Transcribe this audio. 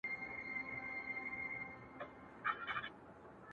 ولي مي هره شېبه هر ساعت پر اور کړوې~